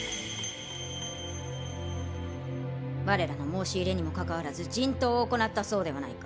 我らの申し入れにもかかわらず人痘を行ったそうではないか！